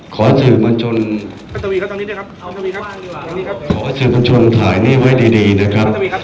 ขอสื่อมันชนถ่ายนี้ไว้ดีนะครับ